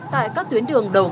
tại các tuyến đường đầu